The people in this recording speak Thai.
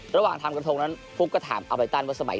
ระหว่างทำกระทงนั้นฟุ๊กก็ถามอัลเบรตันว่าไอ้สมัยเด็กนี้